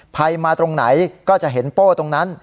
ใครมาตรงไหนก็จะเห็นโป้ตรงนั้น